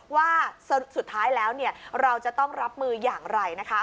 ว่าสุดท้ายแล้วเราจะต้องรับมืออย่างไรนะคะ